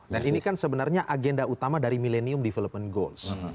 dan ini kan sebenarnya agenda utama dari millenium development goals